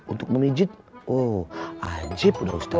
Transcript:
untuk memijit oh anjib bang ustadz